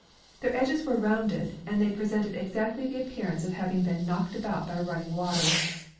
Their edges Avere rounded, and they presented exactly the appearance of having been knocked about by running water.